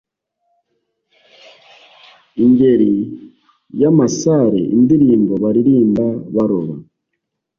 ingeri y’amasare indirimbo baririmba baroba,